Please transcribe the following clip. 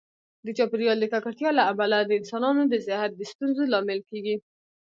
د چاپیریال د ککړتیا له امله د انسانانو د صحت د ستونزو لامل کېږي.